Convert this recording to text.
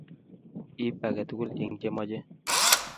Ip agetugul eng che mache